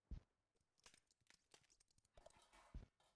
华盛顿联队是美国职业足球大联盟球队。